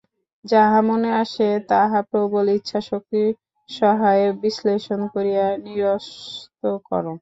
যাহা মনে আসে, তাহা প্রবল ইচ্ছাশক্তি সহায়ে বিশ্লেষণ করিয়া নিরস্ত কর।